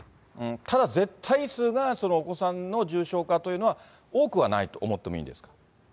ただ、絶対数がお子さんの重症化というのは、多くはないと思ってもいいんですか。